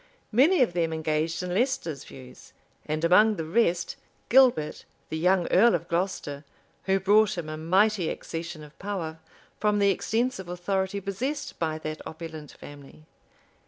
Many of them engaged in Leicester's views, and among the rest, Gilbert, the young earl of Glocester, who brought him a mighty accession of power, from the extensive authority possessed by that opulent family.